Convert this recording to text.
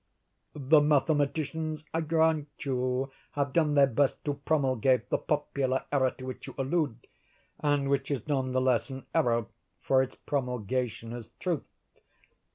The mathematicians, I grant you, have done their best to promulgate the popular error to which you allude, and which is none the less an error for its promulgation as truth.